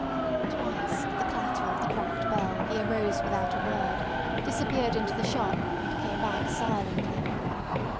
Twice at the clatter of the cracked bell he arose without a word, disappeared into the shop, and came back silently.